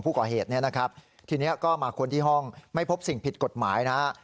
ผู้ก่อเหตุเนี่ยนะครับทีนี้ก็มาค้นที่ห้องไม่พบสิ่งผิดกฎหมายนะฮะ